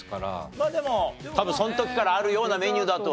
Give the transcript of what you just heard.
まあでも多分その時からあるようなメニューだとは。